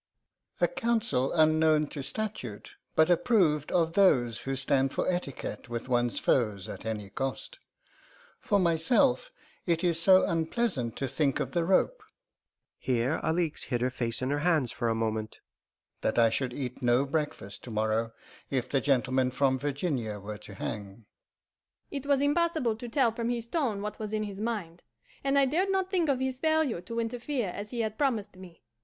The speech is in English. "To this Monsieur Doltaire replied: 'A council unknown to statute, but approved of those who stand for etiquette with ones foe's at any cost. For myself, it is so unpleasant to think of the rope'" (here Alixe hid her face in her hands for a moment) "'that I should eat no breakfast to morrow, if the gentleman from Virginia were to hang.' It was impossible to tell from his tone what was in his mind, and I dared not think of his failure to interfere as he had promised me.